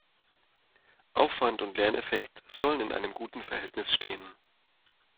Aufwand und Lerneffekt sollen in einem guten Verhältnis stehen.